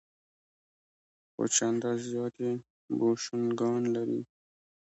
څو چنده زیات یې بوشونګان لري.